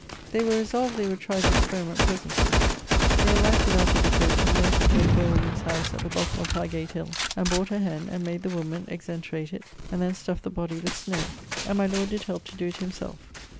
They were resolved they would try the experiment presently. They alighted out of the coach, and went into a poore woman's howse at the bottome of Highgate hill, and bought a hen, and made the woman exenterate it, and then stuffed the bodie with snow, and my lord did help to doe it himselfe.